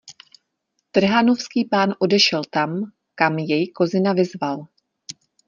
Trhanovský pán odešel tam, kam jej Kozina vyzval.